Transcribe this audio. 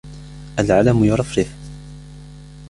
العلم يرفرف.